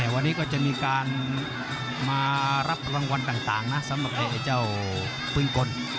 วันนี้ก็จะมีการมารับรางวัลต่างนะสำหรับไอ้เจ้าปืนกล